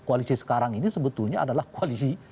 koalisi sekarang ini sebetulnya adalah koalisi